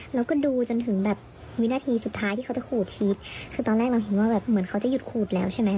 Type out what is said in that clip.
แล้วก็ดูจนถึงแบบวินาทีสุดท้ายที่เขาจะขูดทีฟคือตอนแรกเราเห็นว่าแบบเหมือนเขาจะหยุดขูดแล้วใช่ไหม